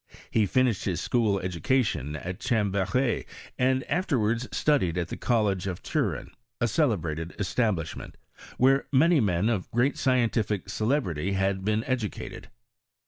He finished his school education at Cham bery, and afterwards studied at the College of Turin, a celebrated establishment, where many men of great scientific celebrity have been educated.